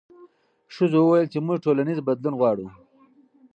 ښځو وویل چې موږ ټولنیز بدلون غواړو.